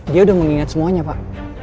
dia udah mengingat semuanya pak